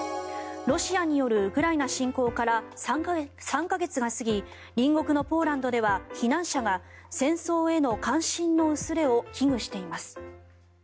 ロシアによるウクライナ侵攻から３か月が過ぎ隣国のポーランドでは避難者が戦争への関心の薄れを危惧しています。